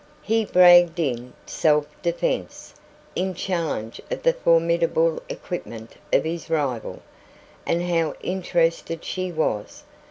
He bragged in self defence, in challenge of the formidable equipment of his rival. And how interested she was!